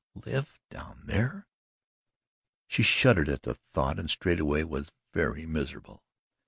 Live down there? She shuddered at the thought and straightway was very miserable.